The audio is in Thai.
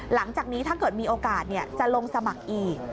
หลังจากนี้ถ้าเกิดมีโอกาสจะลงสมัครอีก